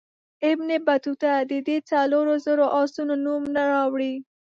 ابن بطوطه د دې څلورو زرو آسونو نوم نه راوړي.